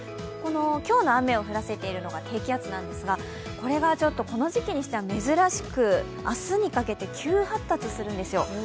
今日の雨を降らせているのが低気圧なんですが、この時期にしては珍しく明日にかけて急発達するんですよ。